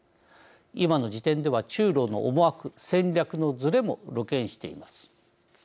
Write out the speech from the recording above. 今の時点では中ロの思惑・戦略のずれも露見しています。